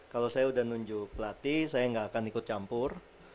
kalau saya udah nunjuk pelatih saya nggak akan ikut campur